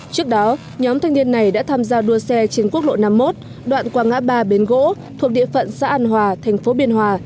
trước đó nhóm thanh niên này đã tham gia đua xe trên quốc lộ năm mươi một đoạn qua ngã ba bến gỗ thuộc địa phận xã an hòa thành phố biên hòa